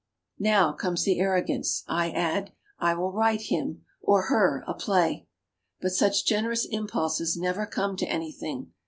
Now comes the arrogance. I add: "I will write him, or her, a play." But such generous impulses never come to anything.